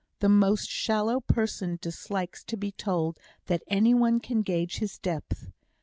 The most shallow person dislikes to be told that any one can gauge his depth.